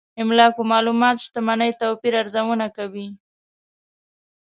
املاکو معلومات شتمنۍ توپير ارزونه کوي.